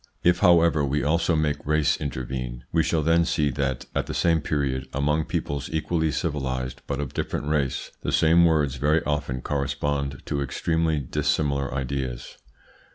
If, however, we also make race intervene, we shall then see that, at the same period, among peoples equally civilised but of different race, the same words very often correspond to extremely dissimilar ideas.